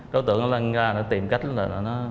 cô tưởng là tìm cách là